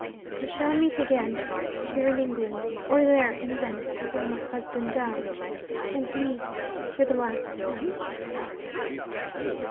We shall meet again here in England, or there in Venice where my husband died and meet for the last time.'